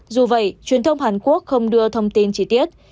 dù vậy truyền thông hàn quốc không đưa thông tin chi tiết